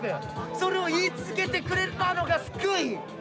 それを言い続けてくれたのが救い！